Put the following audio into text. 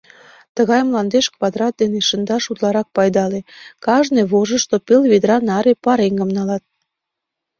Тыгай мландеш квадрат дене шындаш утларак пайдале: кажне вожышто пел ведра наре пареҥгым налат.